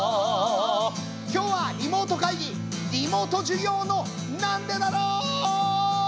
今日はリモート会議リモート授業のなんでだろう！